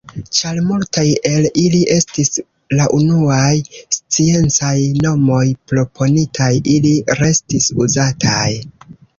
Ĉar multaj el ili estis la unuaj sciencaj nomoj proponitaj ili restis uzataj.